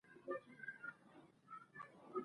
ښوونه د ټولنې د پرمختګ اصلي وسیله ده